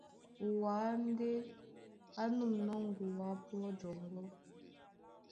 Ó Wâ ndé á nûmnɔ́ ŋgoá pɔ́ jɔŋgɔ́,